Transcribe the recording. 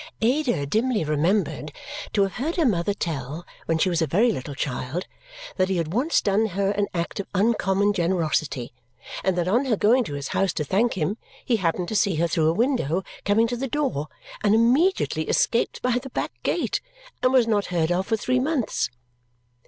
Ada dimly remembered to have heard her mother tell, when she was a very little child, that he had once done her an act of uncommon generosity and that on her going to his house to thank him, he happened to see her through a window coming to the door, and immediately escaped by the back gate, and was not heard of for three months.